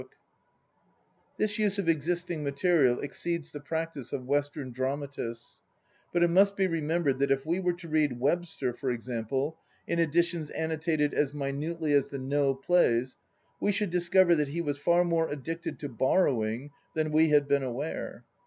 The meaning is "whither unknown amid the white INTRODUCTION 21 This use of existing material exceeds the practice of Western drama tists; but it must be remembered that if we were to read Webster, for example, in editions annotated as minutely as the No plays, we should discover that he was far more addicted to borrowing than we had been aware.